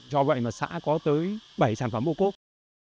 do vậy mà xã có tới bảy sản phẩm bộ cốt